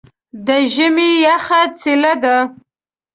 د ژمي یخه څیله ده.